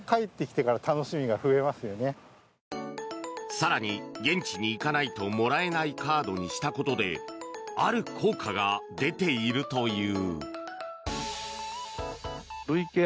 更に、現地に行かないともらえないカードにしたことである効果が出ているという。